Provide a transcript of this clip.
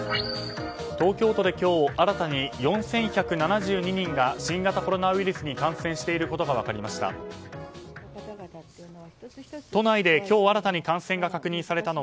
東京都で今日新たに４１７２人が新型コロナウイルスに感染していることが分かりました。